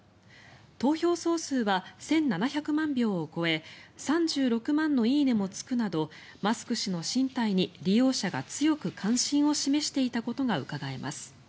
投票総数は１７００万票を超え３６万の「いいね」もつくなどマスク氏の進退に利用者が強く関心を示していたことがうかがえます。